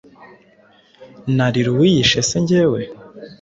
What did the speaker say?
Narira uwiyishe se njyewe